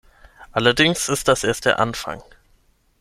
Allerdings ist das erst der Anfang.